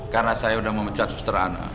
karena saya udah memecat suster ana